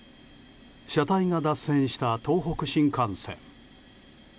車体が脱線した東北新幹線。